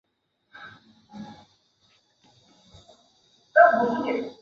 本列表为汤加驻中华人民共和国历任大使名录。